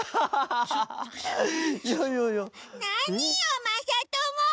なによまさとも！